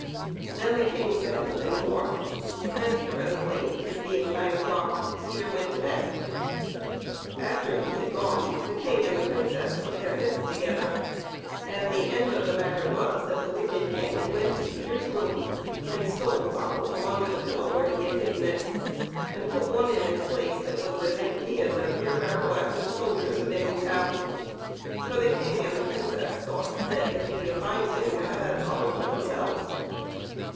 Then the King said nothing more, and presently, it being nine o'clock, Peter went to bed. After he had gone the King and the Princess put their heads together, and the end of the matter was that the wicked King went to Peter's room and stole the bottle from under the pillow where he had hidden it, and put one in its place that was as empty as a beer barrel after the soldiers have been in the town ; for the King and the Princess thought that it would be a fine thing to have the bottle for them selves.